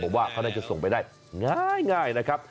ผมว่าเขาน่าจะส่งไปได้ง่ายนะครับ